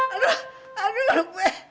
aduh aduh aduh gue